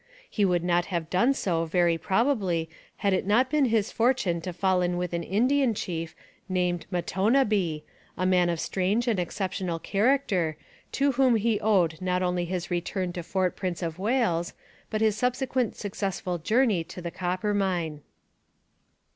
He would not have done so very probably had it not been his fortune to fall in with an Indian chief named Matonabbee, a man of strange and exceptional character, to whom he owed not only his return to Fort Prince of Wales, but his subsequent successful journey to the Coppermine.